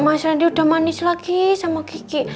mas randy udah manis lagi sama gigi